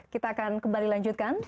kita akan kembali lanjutkan